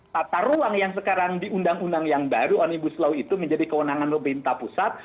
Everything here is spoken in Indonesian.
tata ruang yang sekarang diundang undang yang baru onibus law itu menjadi kewenangan nobenta pusat